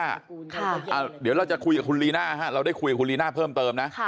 เดี๋ยวเราจะคุยกับคุณลีน่าเราได้คุยกับคุณลีน่าเพิ่มเติมนะ